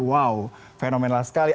wow fenomenal sekali